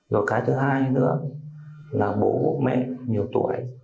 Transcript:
rồi cái thứ hai nữa là bố mẹ nhiều tuổi